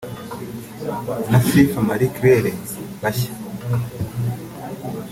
na Sifa Marie Claire bashya